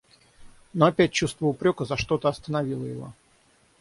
Но опять чувство упрека за что-то остановило его.